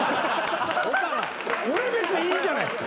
俺別にいいじゃないっすか。